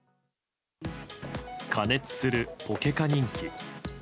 過熱するポケカ人気。